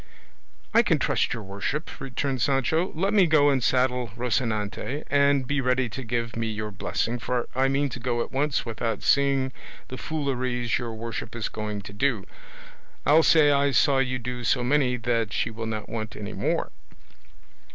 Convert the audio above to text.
"I can trust your worship," returned Sancho; "let me go and saddle Rocinante, and be ready to give me your blessing, for I mean to go at once without seeing the fooleries your worship is going to do; I'll say I saw you do so many that she will not want any more."